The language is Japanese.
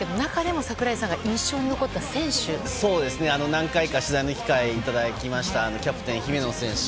何回か取材の機会をいただきましたキャプテンの姫野選手。